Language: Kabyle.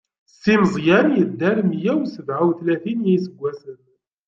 Si Meẓyan yedder meyya u sebɛa u tlatin n iseggasen.